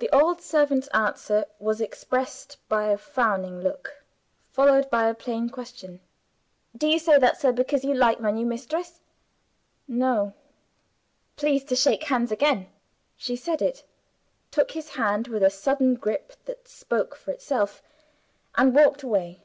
The old servant's answer was expressed by a frowning look, followed by a plain question. "Do you say that, sir, because you like my new mistress?" "No." "Please to shake hands again!" She said it took his hand with a sudden grip that spoke for itself and walked away.